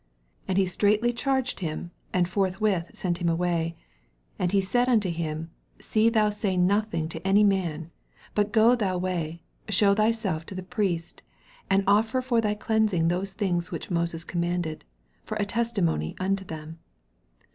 43 And he straitly charged him, and forthwith sent him away ; 44 And he saith unto him, See thou say nothing to any man : but go thy way, shew thyself to the Priest, and offer for thy cleansing those things which Moses commanded, for a testi mony unto them.